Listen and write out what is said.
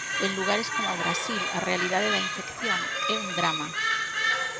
En lugares como Brasil a realidade da infección é un drama.